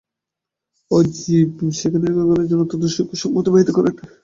ঐ জীব সেখানে দীর্ঘকালের জন্য অত্যন্ত সুখে সময় অতিবাহিত করেন।